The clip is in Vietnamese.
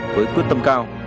với quyết tâm cao